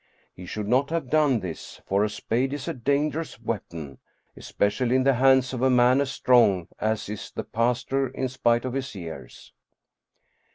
He should not have done this, for a spade is a dangerous weapon, especially in the hands of a man as strong as is the pastor in spite of his years.